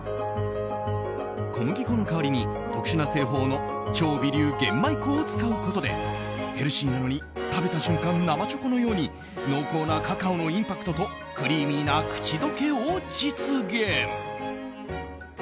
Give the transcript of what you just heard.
小麦粉の代わりに、特殊な製法の超微粒玄米粉を使うことでヘルシーなのに、食べた瞬間生チョコのように濃厚なカカオのインパクトとクリーミーな口溶けを実現。